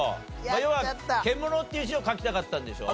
あれは「けもの」っていう字を書きたかったんでしょ？